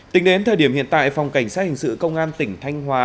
tính đến thời điểm hiện tại phòng cảnh sát hình sự công an tỉnh thanh hóa